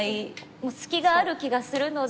隙がある気がするので。